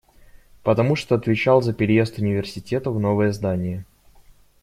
Потому что отвечал за переезд университета в новое здание.